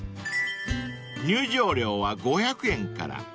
［入場料は５００円から］